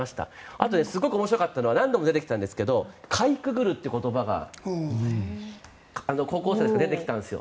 あと、すごく面白かったのは何度も出てきたんですがかいくぐるっていう言葉が高校生たちから出てきたんです。